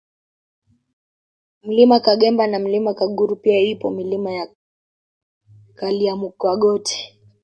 Mlima Kagambe na Mlima Kaguru pia ipo Milima ya Kalyamukogote